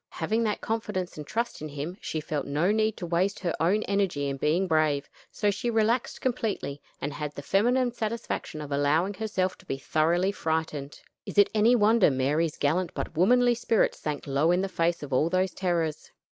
Having that confidence and trust in him, she felt no need to waste her own energy in being brave; so she relaxed completely, and had the feminine satisfaction of allowing herself to be thoroughly frightened. Is it any wonder Mary's gallant but womanly spirit sank low in the face of all those terrors?